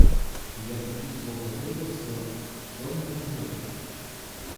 Я почувствовал такой восторг... словно прозрел!